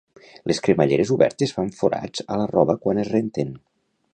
Les cremalleres obertes fan forats a la roba quan es renten